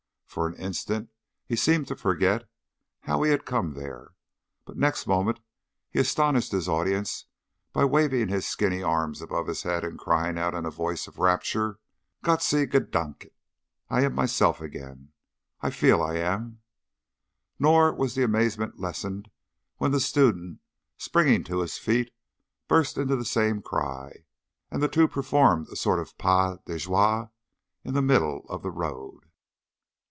For an instant he seemed to forget how he had come there, but next moment he astonished his audience by waving his skinny arms above his head and crying out in a voice of rapture, "Gott sei gedanket! I am myself again. I feel I am!" Nor was the amazement lessened when the student, springing to his feet, burst into the same cry, and the two performed a sort of pas de joie in the middle of the road.